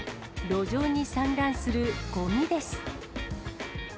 路上に散乱するごみです。